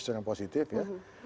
gesture yang positif ya